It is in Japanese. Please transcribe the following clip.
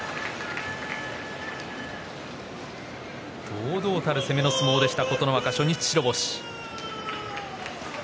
堂々たる攻めの相撲でした琴ノ若初日白星。